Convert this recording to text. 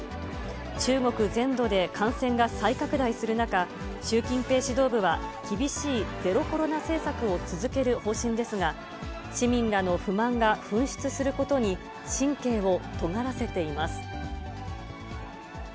中国全土で感染が再拡大する中、習近平指導部は、厳しいゼロコロナ政策を続ける方針ですが、市民らの不満が噴出することに神経をとがらせています。